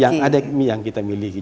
yang ada yang kita miliki